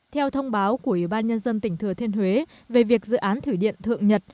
theo thông báo của ủy ban nhân dân tỉnh thừa thiên huế về việc dự án thủy điện thượng nhật